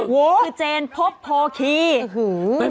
คือเจนพบโพลคีย์